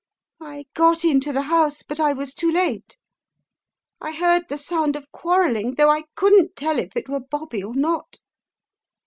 I got into the house, but I was too late. I heard the sound of quarrelling though I couldn't tell if it were Bobby or not.